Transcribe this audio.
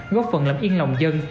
góp phần làm yên lòng dân